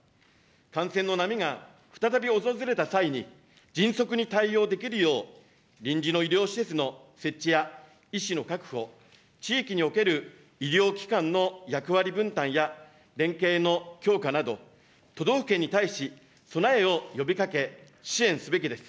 感染の波が再び訪れた際に、迅速に対応できるよう、臨時の医療施設の設置や、医師の確保、地域における医療機関の役割分担や、連携の強化など、都道府県に対し、備えを呼びかけ、支援すべきです。